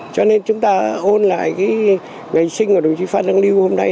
cho nên chúng ta ôn lại ngày sinh của đồng chí phan đăng lưu hôm nay